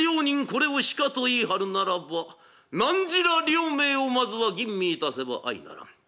これを鹿と言い張るならばなんじら両名をまずは吟味いたせば相ならん。